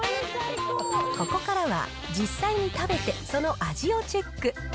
ここからは、実際に食べてその味をチェック。